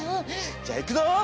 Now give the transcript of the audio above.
じゃあ行くぞ。